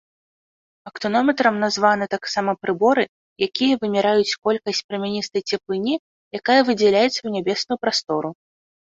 Актынометрам названы таксама прыборы, якія вымяраюць колькасць прамяністай цеплыні, якая выдзяляецца ў нябесную прастору.